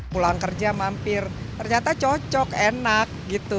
pulang kerja mampir ternyata cocok enak gitu